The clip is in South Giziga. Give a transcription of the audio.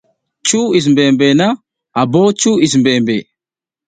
Cuw is mbembe na a bo cuw is mbembe.